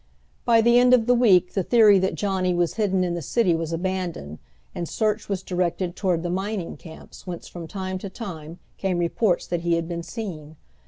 By the end of the week the theory that Johnny was hidden in the city was abandoned, and search was directed toward the mining camps, whence from time to time came reports that he had been seen.